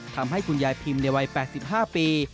ทำให้คุณยายพิมพ์ในวัย๘๕ปี